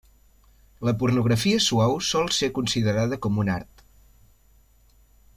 La pornografia suau sol ser considerada com un art.